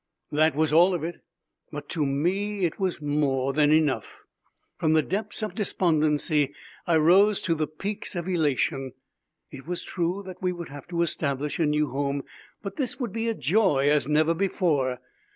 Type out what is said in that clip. That was all of it, but to me it was more than enough. From the depths of despondency, I rose to the peaks of elation. It was true that we would have to establish a new home, but this would be a joy as never before.